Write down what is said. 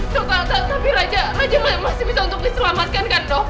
dok dok dok tapi raja masih bisa untuk diselamatkan kan dok